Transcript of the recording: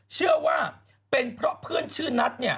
เชื่อว่าเป็นเพราะเพื่อนชื่อนัท